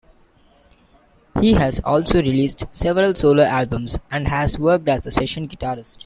He has also released several solo albums and has worked as a session guitarist.